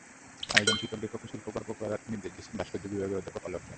আয়োজনে শিক্ষকদের পক্ষে শিল্পকর্ম গড়ার নির্দেশনা দিচ্ছেন ভাস্কর্য বিভাগের অধ্যাপক অলক রায়।